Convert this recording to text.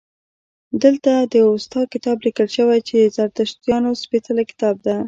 دلته د اوستا کتاب لیکل شوی چې د زردشتیانو سپیڅلی کتاب دی